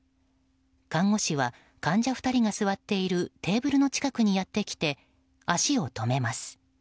看護師は、患者２人が座っているテーブルの近くにやってきて足を止めます。